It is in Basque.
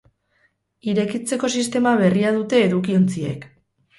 Irekitzeko sistema berria dute edukiontziek.